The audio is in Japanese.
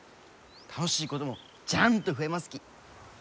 楽しいこともジャンと増えますき。